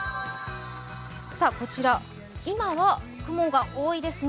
こちら今は雲が多いですね。